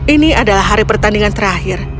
ini adalah hari pertandingan terakhir